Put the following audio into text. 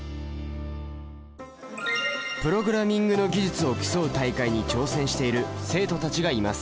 プログラミングの技術を競う大会に挑戦している生徒たちがいます。